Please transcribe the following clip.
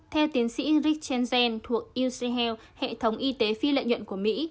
theo tiến sĩ rick chenzen thuộc uc health hệ thống y tế phi lợi nhuận của mỹ